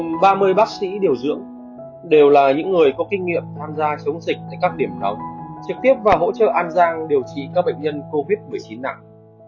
bệnh viện bạch mai đã thử hai đoàn công tác gồm ba mươi bác sĩ điều dưỡng đều là những người có kinh nghiệm tham gia chống dịch tại các điểm đóng trực tiếp và hỗ trợ an giang điều trị các bệnh nhân covid một mươi chín nặng